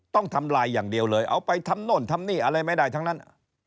ทำลายอย่างเดียวเลยเอาไปทำโน่นทำนี่อะไรไม่ได้ทั้งนั้น